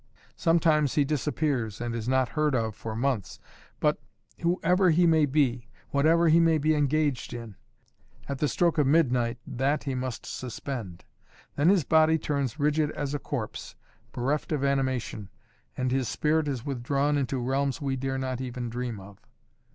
Sometimes he disappears and is not heard of for months. But whoever he may be whatever he may be engaged in at the stroke of midnight that he must suspend. Then his body turns rigid as a corpse, bereft of animation, and his spirit is withdrawn into realms we dare not even dream of.